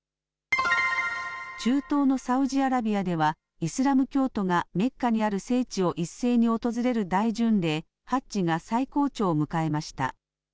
中東のサウジアラビアではイスラム教徒がメッカにある聖地を一斉に訪れる大巡礼、ハッジが最高潮を迎えました。